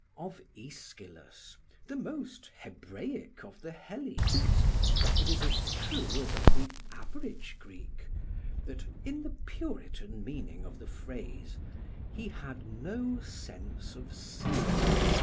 Of Aeschylus, the most Hebraic of the Hellenes, it is as true as of the average Greek, that in the Puritan meaning of the phrase he had no sense of sin.